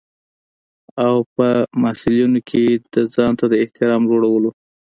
او په محصلینو کې د ځانته د احترام لوړولو.